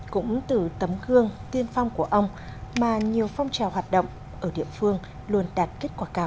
cũng từ tấm gương tiên phong của ông mà nhiều phong trào hoạt động ở địa phương luôn đạt kết quả cao